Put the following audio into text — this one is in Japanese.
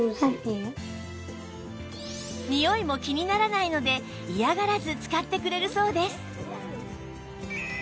においも気にならないので嫌がらず使ってくれるそうです